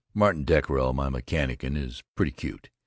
Martin Dockerill my mechanician is pretty cute.